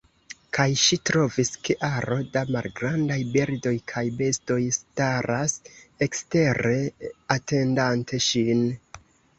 Kaj ŝi trovis, ke aro da malgrandaj birdoj kaj bestoj staras ekstere atendante ŝin.